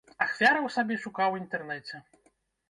Ахвяраў сабе шукаў у інтэрнэце.